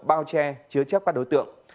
bao che chứa chấp các đối tượng